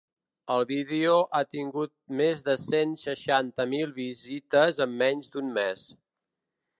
El vídeo ha tingut més de cent seixanta mil visites en menys d’un mes.